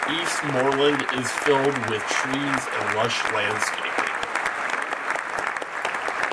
Eastmoreland is filled with trees and lush landscaping.